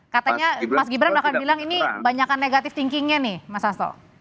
katanya mas gibran bahkan bilang ini banyakan negatif thinkingnya nih mas hasto